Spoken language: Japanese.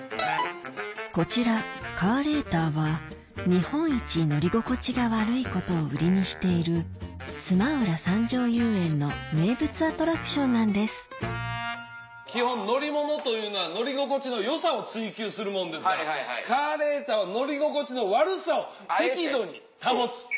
こちらカーレーターは日本一乗り心地が悪いことを売りにしている須磨浦山上遊園の名物アトラクションなんです基本乗り物というのは乗り心地の良さを追求するもんですがカーレーターは乗り心地の悪さを適度に保つ。